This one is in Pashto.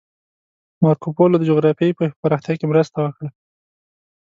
مارکوپولو د جغرافیایي پوهې په پراختیا کې مرسته وکړه.